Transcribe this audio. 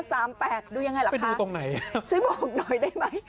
สวยบอกหน่อยได้มั้ย